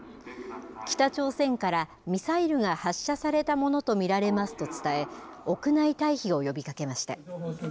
北朝鮮からミサイルが発射されたものと見られますと伝え、屋内退避を呼びかけました。